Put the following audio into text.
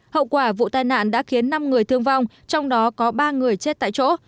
hậu quả vụ tai nạn đã khiến năm người thương vong trong đó có ba người chết tại chỗ